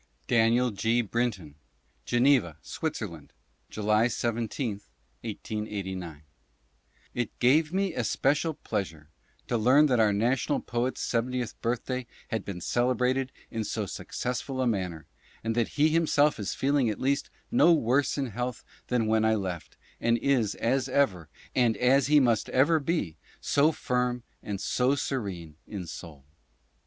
Daniel G. Brinton : Geneva, Switzerland, July 17, 1889. ... It gave me especial pleasure to learn that our national poet's seventieth birthday had been celebrated in so successful a manner, and that he himself is feeling at least no worse in health than when I left, and is, as ever, and as he must ever be, so firm and so serene in soul.